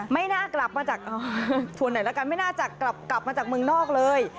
ไม่น่ากลับมาจากชวนไหนแล้วกันไม่น่าจะกลับมาจากเมืองนอกเลย